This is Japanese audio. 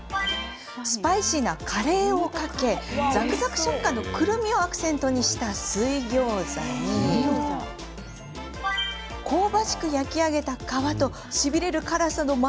スパイシーなカレーをかけザクザク食感のくるみをアクセントにした水ギョーザに香ばしく焼き上げた皮としびれる辛さの麻辣